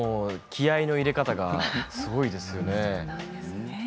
気合いの入れ方がすごいですね。